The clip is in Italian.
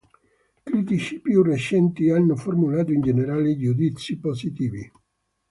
Critici più recenti hanno formulato in generale giudizi positivi.